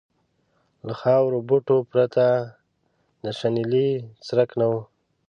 له خارو بوټو پرته د شنیلي څرک نه و.